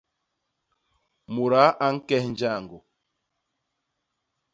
Mudaa a ñkes njaañgô.